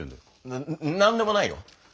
ななんでもないよ。